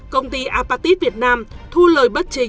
công ty apatit việt nam thu lời bất chính